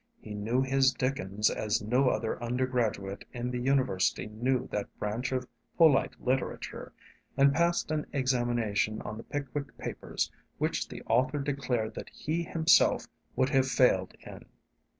He knew his Dickens as no other undergraduate in the University knew that branch of polite literature, and passed an examination on the 'Pickwick Papers' which the author declared that he himself would have failed in.